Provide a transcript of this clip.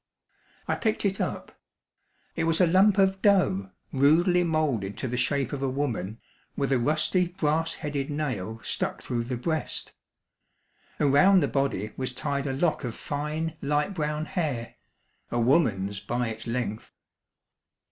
I picked it up. It was a lump of dough, rudely moulded to the shape of a woman, with a rusty brass headed nail stuck through the breast. Around the body was tied a lock of fine light brown hair a woman's, by its length.